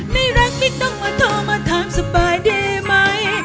ไม่รักไม่ต้องมาโทรมาถามสบายดีไหม